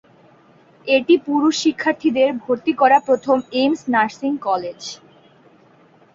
এটি পুরুষ শিক্ষার্থীদের ভর্তি করা প্রথম এইমস নার্সিং কলেজ।